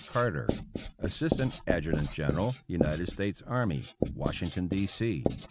Carter, Assistant Adjutant General United States Army, Washington, D. C.